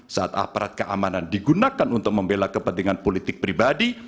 saat aparat keamanan digunakan untuk membela kepentingan politik pribadi